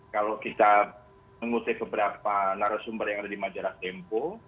kalau kita mengutip beberapa narasumber yang ada di majalah tempo